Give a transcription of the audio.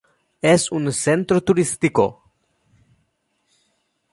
Es un centro turístico.